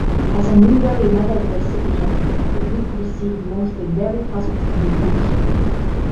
As a Newbery Medal recipient, the book received mostly very positive reviews.